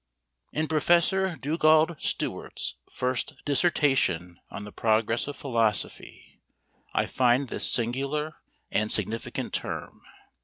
In Professor Dugald Stewart's first Dissertation on the Progress of Philosophy, I find this singular and significant term.